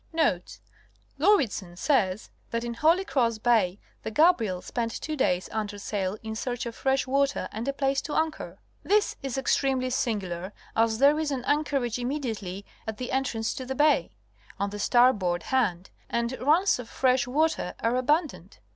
Notes.—Lauridsen says (p. 31, American edition) that in Holy Cross Bay the Gabriel spent two days under sail in search of fresh water and a place to anchor." This is extremely singular, as there is an anchorage immediately at the entrance to the bay, on the starboard hand, and runs of fresh water are abundant.